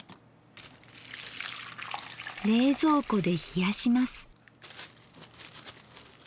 冷蔵庫で冷やします。